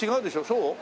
そう？